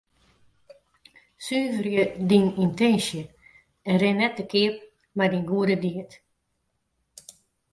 Suverje dyn yntinsje en rin net te keap mei dyn goede died.